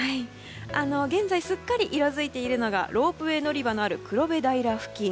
現在、すっかり色づいているのがロープウェー乗り場のある黒部平付近。